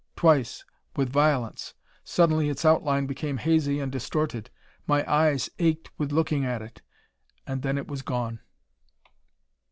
Twice! With violence! Suddenly its outline became hazy and distorted. My eyes ached with looking at it. And then it was gone!"